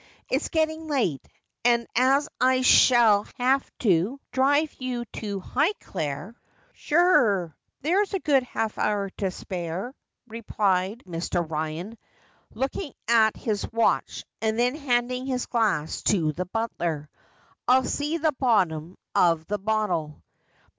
' It's getting late, and as I shall have to drive you to Highclere '' Shure, there's a good half hour to spare,' replied 3Ir. Evan, looking at his watch, and then handing his glass to the butler. ' I'll see the bottom of the bottle.'